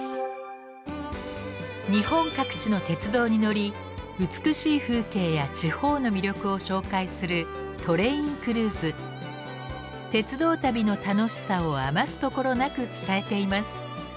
日本各地の鉄道に乗り美しい風景や地方の魅力を紹介する鉄道旅の楽しさを余すところなく伝えています。